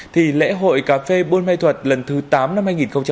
thì lễ hội cà phê buôn mê thuật lần thứ tám năm hai nghìn hai mươi